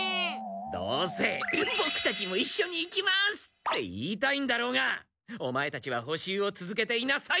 どうせ「ボクたちもいっしょに行きます」って言いたいんだろうがオマエたちは補習を続けていなさい！